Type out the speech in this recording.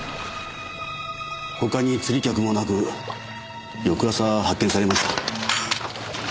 他に釣り客もなく翌朝発見されました。